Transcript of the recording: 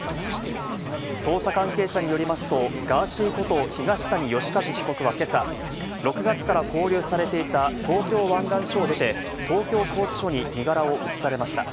捜査関係者によりますと、ガーシーこと東谷義和被告は今朝、６月から勾留されていた東京湾岸署を出て、東京拘置所に身柄を移されました。